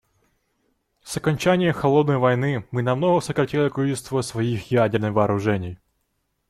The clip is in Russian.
С окончания "холодной войны" мы намного сократили количество своих ядерных вооружений.